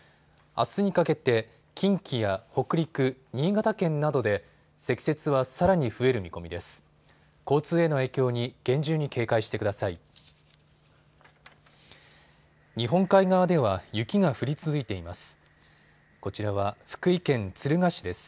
あすにかけて近畿や北陸、新潟県などで積雪はさらに増える見込みです。